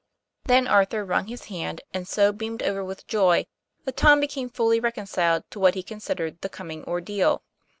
Then Arthur wrung his hand and so beamed over with joy that Tom became fully reconciled to what he considered the coming ordeal.